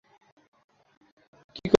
কী করছো, নিকোল?